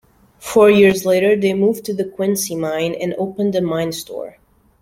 Four years later they moved to the Quincy Mine and opened a mine store.